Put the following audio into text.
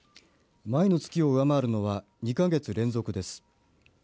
前の月を上回るのは２か月連続です。